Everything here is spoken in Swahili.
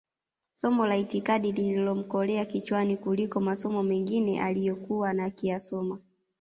somo la itikadi lilimkolea kichwani kuliko masomo mengine aliyokuwa ankiyasoma